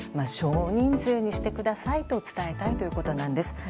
少人数にしてくださいと伝えたいということなんです。